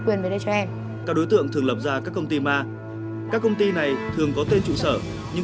quyền về đây cho em các đối tượng thường lập ra các công ty ma các công ty này thường có tên trụ sở nhưng